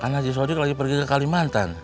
kan haji sodik lagi pergi ke kalimantan